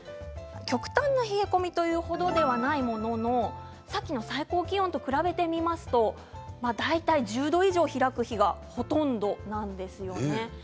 極端な冷え込みというほどではないもののさっきの最高気温と比べてみますと大体１０度以上開く日がほとんどなんです。